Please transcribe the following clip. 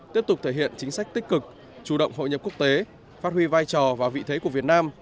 tiếp tục thể hiện chính sách tích cực chủ động hội nhập quốc tế phát huy vai trò và vị thế của việt nam